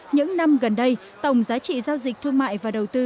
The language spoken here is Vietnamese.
những năm gần đây tổng giá trị giao dịch thương mại và đầu tư